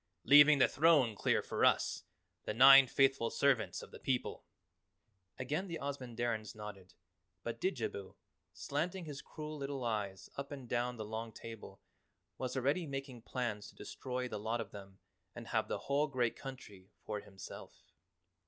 "Leaving the throne clear for us the Nine Faithful Servants of the People!" Again the Ozamandarins nodded, but Didjabo, slanting his cruel little eyes up and down the long table, was already making plans to destroy the lot of them and have the whole great country for himself.